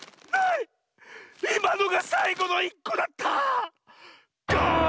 いまのがさいごのいっこだった！ガーン！